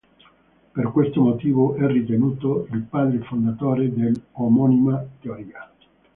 Per questo motivo è ritenuto il padre fondatore dell'omonima teoria.